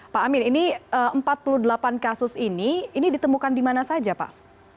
pak amin ini empat puluh delapan kasus ini ini ditemukan di mana saja pak